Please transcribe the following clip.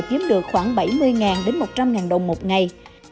kiếm được khoảng bảy mươi đến một trăm linh đồng một ngày